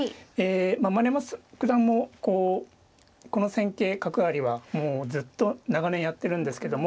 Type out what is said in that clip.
丸山九段もこの戦型角換わりはもうずっと長年やっているんですけども。